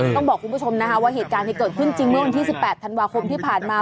ต้องบอกคุณผู้ชมนะคะว่าเหตุการณ์ที่เกิดขึ้นจริงเมื่อวันที่๑๘ธันวาคมที่ผ่านมา